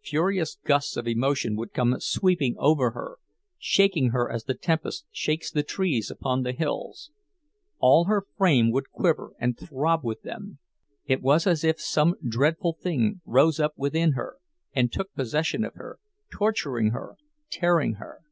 Furious gusts of emotion would come sweeping over her, shaking her as the tempest shakes the trees upon the hills; all her frame would quiver and throb with them—it was as if some dreadful thing rose up within her and took possession of her, torturing her, tearing her.